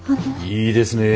いいですね。